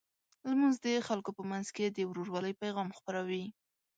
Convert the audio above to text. لمونځ د خلکو په منځ کې د ورورولۍ پیغام خپروي.